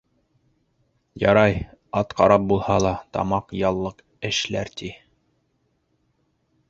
Ярай, ат ҡарап булһа ла тамаҡ яллыҡ эшләр, ти.